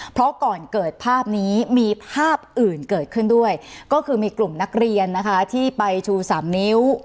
เพราะก่อนเกิดภาพนี้มีภาพอื่นเกิดขึ้นด้วยก็คือมีกลุ่มนักเรียนนะคะที่ไปชูสามนิ้ว